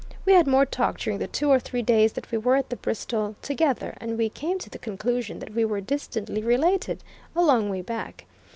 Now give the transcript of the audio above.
We had more talk during the two or three days that we were at the Bristol together, and we came to the conclusion that we were distantly related a long way back.